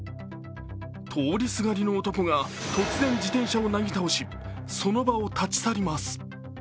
通りすがりの男が突然、自転車をなぎ倒しその場を立ち去ります。